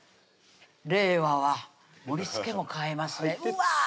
令和は盛りつけも変えますねうわ！